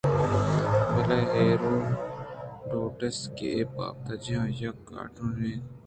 بلے ہیروڈوٹس کہ اے بابتءَ جہان ءَ یک Authorityایت